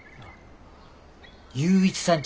雄一さん